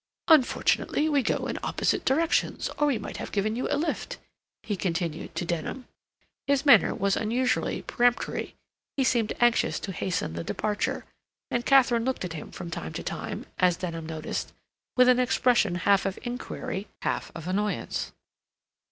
"Unfortunately we go in opposite directions, or we might have given you a lift," he continued to Denham. His manner was unusually peremptory; he seemed anxious to hasten the departure, and Katharine looked at him from time to time, as Denham noticed, with an expression half of inquiry, half of annoyance.